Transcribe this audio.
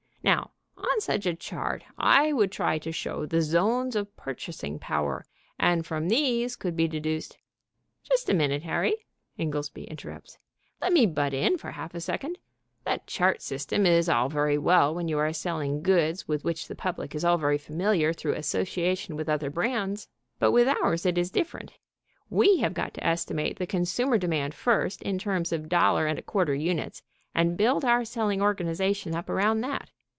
Now, on such a chart I would try to show the zones of Purchasing Power, and from these could be deduced...." "Just a minute, Harry," Inglesby interrupts, "let me butt in for half a second. That chart system is all very well when you are selling goods with which the public is already familiar through association with other brands, but with ours it is different. We have got to estimate the Consumer Demand first in terms of dollar and a quarter units, and build our selling organization up around that.